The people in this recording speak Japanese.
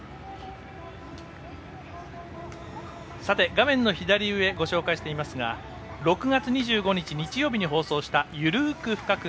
画面左上ご紹介していますが６月２５日、日曜日に放送した「ゆるく深く！